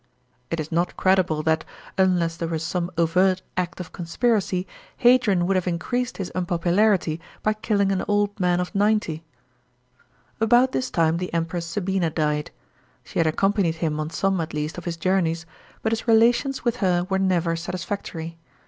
It is not credible that, unless there were some overt act of conspiracy, Hadrian would have increased his unpopularity by killing an old man of ninety. About this time the Empress Sabina died. She had accompanied him on some at least of his journeys, but his relations with her were never satisfactory.